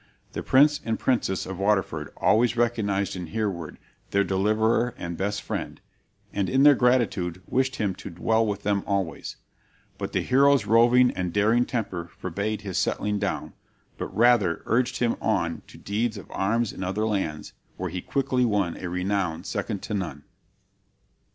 The Prince and Princess of Waterford always recognized in Hereward their deliverer and best friend, and in their gratitude wished him to dwell with them always; but the hero's roving and daring temper forbade his settling down, but rather urged him on to deeds of arms in other lands, where he quickly won a renown second to none.